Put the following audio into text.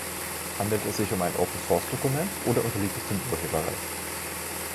Handelt es sich um ein Open Source-Dokument oder unterliegt es dem Urheberrecht?